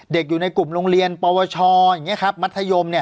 เด็กอยู่ในกลุ่มโรงเรียนปวชมัธยม